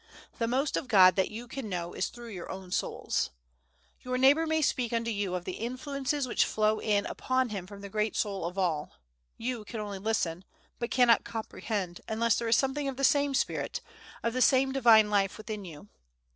The most of God that you can know is through your own souls. Your neighbor may speak unto you of the influences which flow in upon him from the great Soul of all; you can only listen, but cannot comprehend, unless there is something of the same spirit of the same Divine life within you.